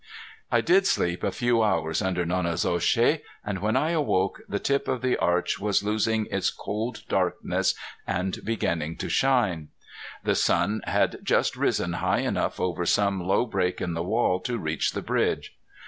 I did sleep a few hours under Nonnezoshe, and when I awoke the tip of the arch was losing its cold darkness and beginning to shine. The sun had just risen high enough over some low break in the wall to reach the bridge.